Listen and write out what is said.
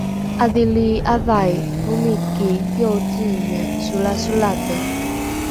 ’adhili ’avai omiki iociing solasolate